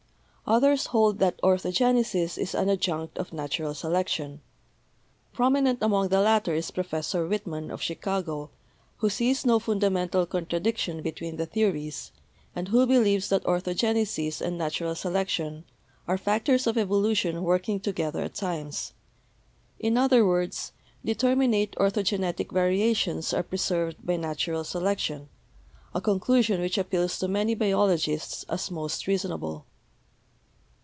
Others hold that orthogenesis is an adjunct of nat ural selection. Prominent among the latter is Professor Whitman, of Chicago, who sees no fundamental contradic tions between the theories and who believes that ortho genesis and natural selection are factors of evolution working together at times; in other words, determinate orthogenetic variations are preserved by natural selection — a conclusion which appeals to many biologists as most reasonable.